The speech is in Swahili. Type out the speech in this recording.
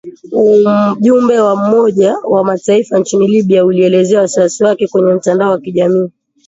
Ujumbe wa Umoja wa Mataifa nchini Libya ulielezea wasiwasi wake kwenye mtandao wa kijamii